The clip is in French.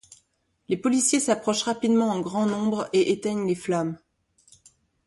Les policiers s'approchent rapidement en grand nombre et éteignent les flammes.